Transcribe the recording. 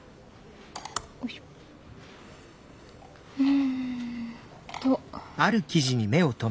うんと。